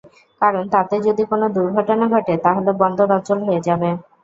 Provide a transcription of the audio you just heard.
কারণ, তাতে যদি কোনো দুর্ঘটনা ঘটে, তাহলে বন্দর অচল হয়ে যাবে।